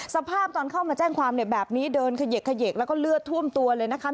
สภาพตอนเข้ามาแจ้งความแบบนี้เดินเขยกแล้วก็เลือดท่วมตัวเลยนะคะ